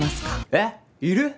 えっいる？